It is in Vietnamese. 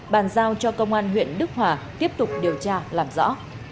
bàn giao cho công an huyện đức hòa tiếp tục điều tra làm rõ